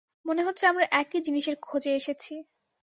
মনে হচ্ছে আমরা একই জিনিসের খোঁজে এসেছি।